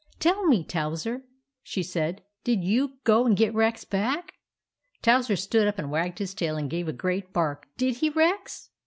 " Tell me, Towser," she said, " did you go and get Rex back ?" Towser stood up and wagged his tail, and gave a great bark. " Did he, Rex